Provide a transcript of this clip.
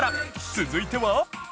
続いては